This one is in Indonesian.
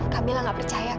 kak mila gak percaya kak